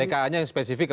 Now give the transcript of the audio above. tka nya yang spesifik